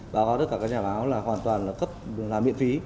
báo cáo tất cả các nhà báo là hoàn toàn cấp làm miễn phí